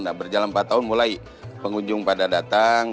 nah berjalan empat tahun mulai pengunjung pada datang